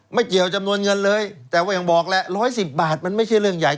ไม่เกี่ยวจำนวนเงินเลยแต่ว่ายังบอกแหละ๑๑๐บาทมันไม่ใช่เรื่องใหญ่